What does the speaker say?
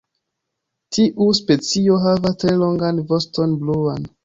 Tiu specio havas tre longan voston bluan.